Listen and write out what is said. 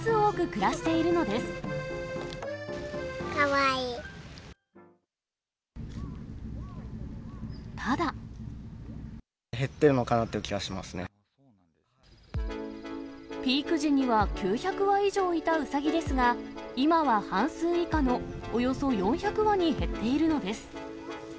減ってるのかなという気がしピーク時には９００羽以上いたウサギですが、今は半数以下のおよそ４００羽に減っているのです。